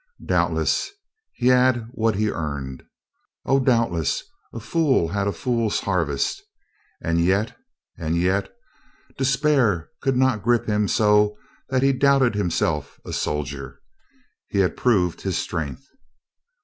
Doubtless he had what he earned. O, doubtless, a fool had a fool's harvest. And yet — and yet — despair could not grip him so that he doubted himself a soldier. He had proved his strength.